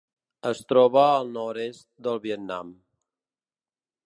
Es troba al nord-est del Vietnam.